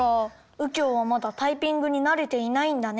うきょうはまだタイピングになれていないんだね。